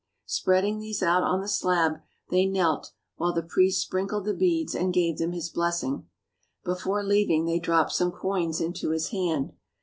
Spreading these out on the slab, they knelt, while the priest sprinkled the beads and gave them his blessing. Before leaving they dropped some coins into his hand.